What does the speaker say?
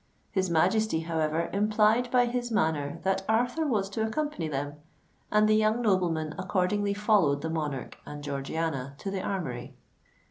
His Majesty, however, implied by his manner that Arthur was to accompany them; and the young nobleman accordingly followed the monarch and Georgiana to the Armoury.